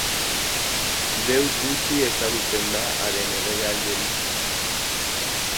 Deus gutxi ezagutzen da haren erregealdiari buruz.